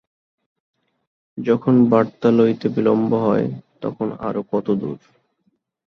যখন বার্তা লইতে বিলম্ব হয়, তখন আরও কত দূর!